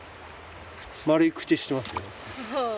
丸い口してます。